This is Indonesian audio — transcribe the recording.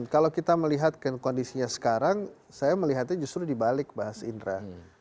kalau kita melihat kondisinya sekarang saya melihatnya justru dibalik bahas indra